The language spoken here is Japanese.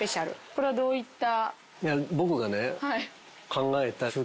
これはどういった？